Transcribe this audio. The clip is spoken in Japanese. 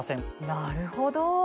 なるほど。